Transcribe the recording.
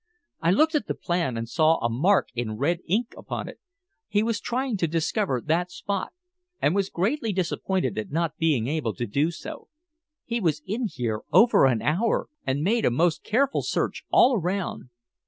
I looked at the plan, and saw a mark in red ink upon it. He was trying to discover that spot, and was greatly disappointed at not being able to do so. He was in here over an hour, and made a most careful search all around."